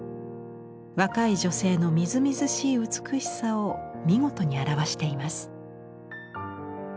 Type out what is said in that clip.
若い女性のみずみずしい美しさを見事に表しています。